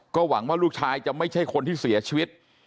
หวังว่าลูกชายจะไม่ใช่คนที่เสียชีวิต